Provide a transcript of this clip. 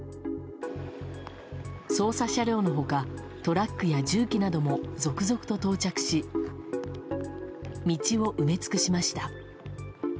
捜査車両の他トラックや重機なども続々と到着し道を埋め尽くしました。